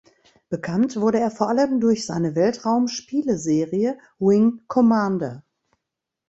Bekannt wurde er vor allem durch seine Weltraum-Spieleserie Wing Commander.